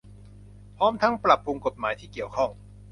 พร้อมทั้งปรับปรุงกฎหมายที่เกี่ยวข้อง